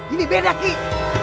ini beda kek